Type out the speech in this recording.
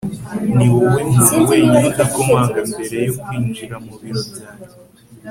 niwowe muntu wenyine udakomanga mbere yo kwinjira mu biro byanjye